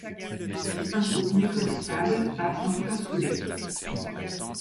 Un groupe méconnaissable parce qu'enfin soudé.